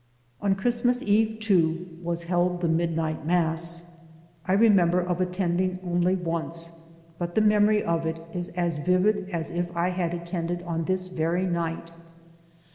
On Christmas Eve too, was held the Midnight Mass. I remember of attending only once, but the memory of it is as vivid as if I had attended on this very night.